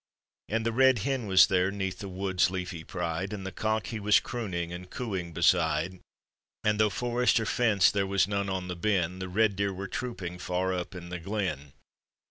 And the red hen was there 'neath the vrood'i leafy pride, And the cock he was crooning and cooing beside; And though forest or fence there was none on the Ben The red deer were trooping far up in the glen!